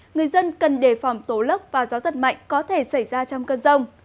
người dân cần đề phòng tố lốc và gió giật mạnh có thể xảy ra trong cơn rông